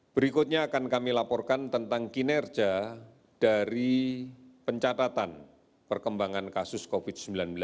berikutnya akan kami laporkan tentang kinerja dari pencatatan perkembangan kasus covid sembilan belas